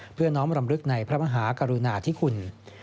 น้องรำลึกในพระมหากรุณาธิคุณ